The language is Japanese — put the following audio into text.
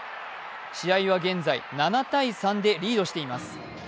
試合は現在７−３でリードしています